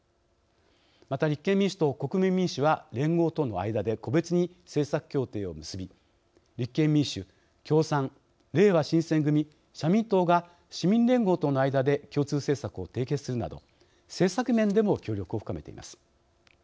また、立憲民主と国民民主は連合との間で個別に政策協定を結び立憲民主、共産、れいわ新選組社民党が、市民連合との間で共通政策を締結するなど政策面でも協力を深めています。